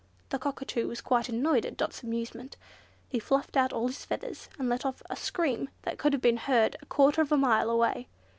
The Cockatoo was quite annoyed at Dot's amusement. He fluffed out all his feathers, and let off a scream that could have been heard a quarter of a mile away.